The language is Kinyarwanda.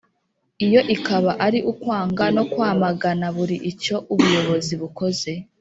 iyo ikaba ari ukwanga no kwamagana buri icyo ubuyobozi bukoze